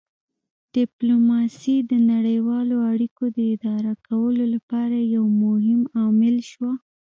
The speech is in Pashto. ډیپلوماسي د نړیوالو اړیکو د اداره کولو لپاره یو مهم عامل شوه